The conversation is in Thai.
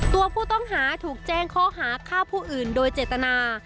ตัวผู้ต้องหาถูกแจ้งข้อหาฆ่าผู้อื่นโดยเจตนา